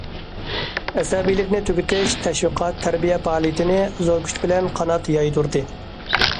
‹‹ ئەسەبىيلىكنى تۈگىتىش›› تەشۋىقات، تەربىيە پائالىيىتىنى زور كۈچ بىلەن قانات يايدۇردى.